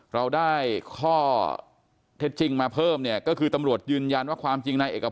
เราได้ข้อเท็จจริงมาเพิ่มเนี่ยก็คือตำรวจยืนยันว่าความจริงนายเอก